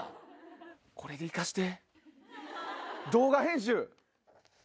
これで行かして動画編集。